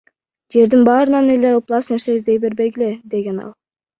Жердин баарынан эле ыплас нерсе издей бербегиле, — деген ал.